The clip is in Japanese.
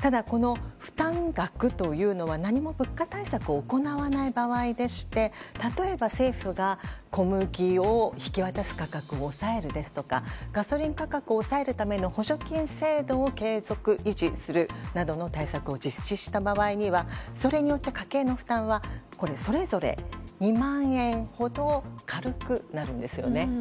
ただ、負担額というのは何も物価対策を行わない場合でして例えば政府が小麦を引き渡す価格を抑えるですとかガソリン価格を抑えるための補助金制度を継続・維持するなど対策を実施した場合によってはそれによって家計の負担はそれぞれ２万円ほど軽くなるんですよね。